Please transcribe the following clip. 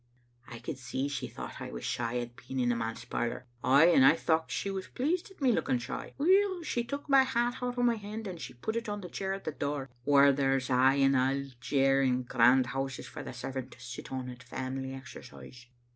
'" I could see she thocht I was shy at being in the manse parlor; ay, and I thocht she was pleased at me looking shy. Weel, she took my hat out o' my hand, and she put it on the chair at the door, whaur there's aye an auld chair in grand houses for the servant to sit on at family exercise.